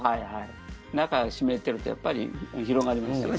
中が湿ってるとやっぱり広がりましたね。